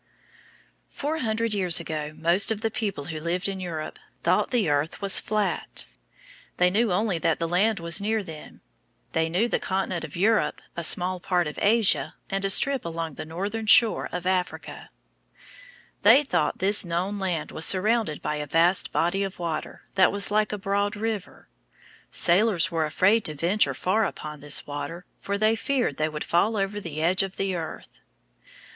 Four hundred years ago most of the people who lived in Europe thought that the earth was flat. They knew only the land that was near them. They knew the continent of Europe, a small part of Asia, and a strip along the northern shore of Africa. [Illustration: The World as Known Four Hundred Years ago.] They thought this known land was surrounded by a vast body of water that was like a broad river. Sailors were afraid to venture far upon this water, for they feared they would fall over the edge of the earth.